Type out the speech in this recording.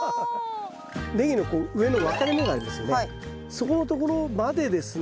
そこのところまでですね